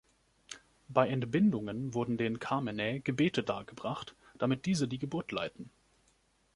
Bei Entbindungen wurden den Carmenae Gebete dargebracht, damit diese die Geburt leiten.